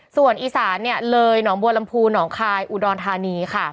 ส่วนอีสานเลยหนองบัวลำพูหนองคายอุดรธานีค่ะ